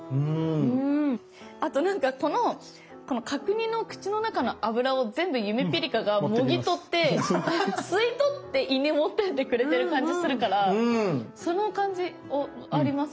あとなんかこの角煮の口の中の脂を全部ゆめぴりかがもぎ取って吸い取って胃に持ってってくれてる感じするからその感じあります。